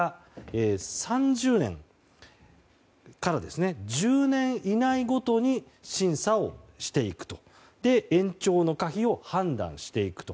３０年から１０年以内ごとに審査をして、延長の可否を判断していくと。